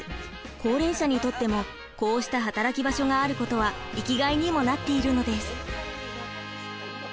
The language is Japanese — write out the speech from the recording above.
高齢者にとってもこうした働き場所があることは生きがいにもなっているのです。